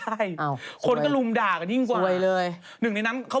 ตัวเองเป็นลูกแก้วโฟสต่างนานา